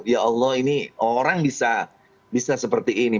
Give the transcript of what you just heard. ya allah ini orang bisa seperti ini